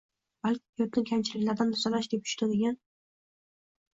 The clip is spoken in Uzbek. balki yurtni kamchiliklardan tozalash deb tushunadigan